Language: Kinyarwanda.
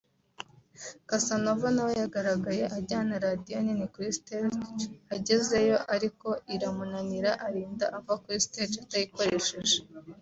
Cassanova nawe yagaragaye ajyana radiyo nini kuri stage agezeyo ariko iramunanira arinda ava kuri stage atayikoresheje